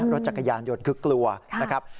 รถจักรยานยนต์คือกลัวนะครับ